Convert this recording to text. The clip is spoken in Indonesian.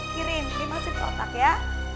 kirim ini masuk ke otak ya